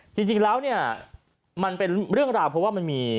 จริงแล้วเนี่ยมันเป็นเรื่องราวเพราะว่ามันมี